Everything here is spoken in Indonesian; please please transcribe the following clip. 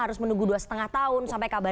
harus menunggu dua lima tahun sampai kabar